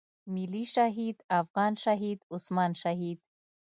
ملي شهيد افغان شهيد عثمان شهيد.